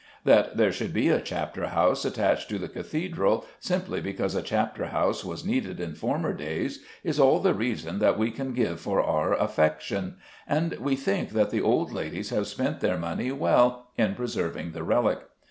That there should be a chapter house attached to the cathedral, simply because a chapter house was needed in former days, is all the reason that we can give for our affection; and we think that the old ladies have spent their money well in preserving the relic.